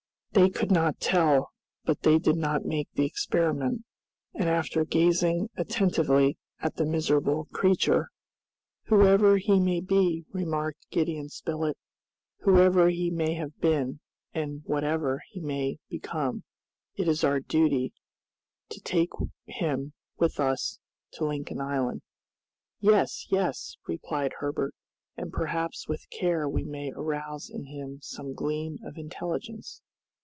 They could not tell, but they did not make the experiment; and after gazing attentively at the miserable creature, "Whoever he may be," remarked Gideon Spilett, "whoever he may have been, and whatever he may become, it is our duty to take him with us to Lincoln Island." "Yes, yes!" replied Herbert, "and perhaps with care we may arouse in him some gleam of intelligence."